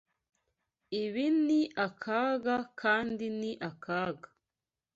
Ibi ni akaga kandi ni akaga.